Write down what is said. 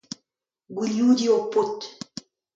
Gwilioudiñ ur paotr.